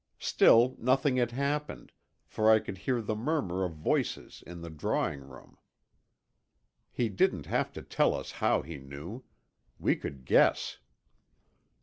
Still nothing had happened, for I could hear the murmur of voices in the drawing room." He didn't have to tell us how he knew. We could guess.